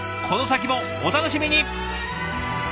この先もお楽しみに！